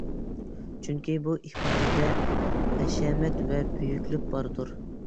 چۈنكى، بۇ ئىپادىدە ھەشەمەت ۋە بۈيۈكلۈك باردۇر.